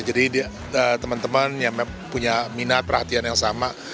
jadi teman teman yang punya minat perhatian yang sama